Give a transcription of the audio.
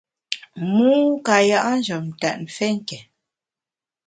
Mû ka ya’ njem tèt mfé nké.